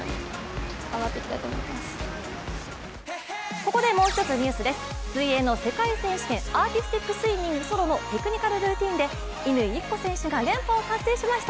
ここでもう一つニュースです、水泳の世界選手権アーティスティックスイミングソロのテクニカルルーティンで乾友紀子選手が連覇を達成しました。